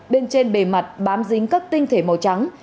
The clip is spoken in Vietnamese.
bên trên bề mặt bám dính các tinh thể màu trắng